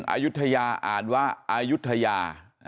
อายุทยาอ่านว่าอายุทยา